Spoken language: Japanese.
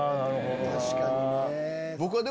確かにね。